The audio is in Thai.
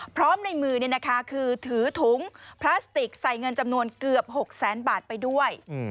พร้อมในมือเนี่ยนะคะคือถือถุงพลาสติกใส่เงินจำนวนเกือบ๖๐๐๐๐๐บาทไปด้วย